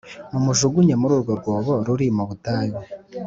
Mumujugunye muri uru rwobo ruri mu butayu